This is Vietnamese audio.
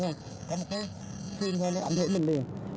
nghe có một cái phim thôi anh hỏi mình liền